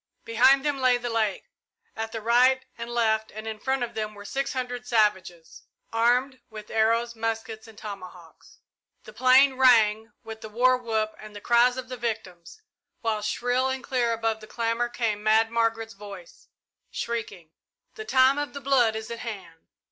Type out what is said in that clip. Behind them lay the lake at the right and left and in front of them were six hundred savages, armed with arrows, muskets, and tomahawks. The plain rang with the war whoop and the cries of the victims, while shrill and clear above the clamour came Mad Margaret's voice, shrieking, "The time of the blood is at hand!"